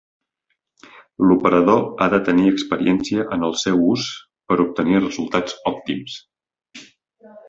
L'operador ha de tenir experiència en el seu ús per a obtenir resultats òptims.